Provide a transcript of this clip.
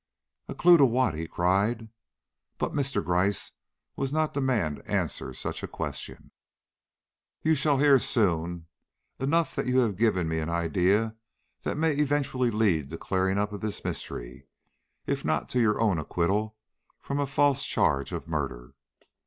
"A clue to what?" he cried. But Mr. Gryce was not the man to answer such a question. "You shall hear soon. Enough that you have given me an idea that may eventually lead to the clearing up of this mystery, if not to your own acquittal from a false charge of murder."